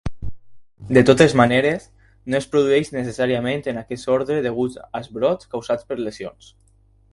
De totes maneres, no es produeix necessàriament en aquest ordre degut als brots causats per lesions.